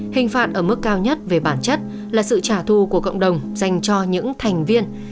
hình phạt ở mức cao nhất về bản chất là sự trả thu của cộng đồng dành cho những thành viên